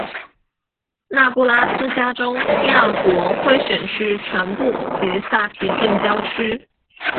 内布拉斯加州第二国会选区全部及萨皮郡郊区。